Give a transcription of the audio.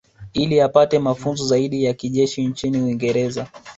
Ili apate mafunzo zaidi ya kijeshi nchini Uingereza